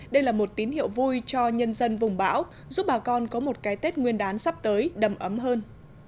đây là một tín hiệu vui cho nhân dân vùng bão giúp bà con có một cái tết nguyên đán sắp tới đầm ấm hơn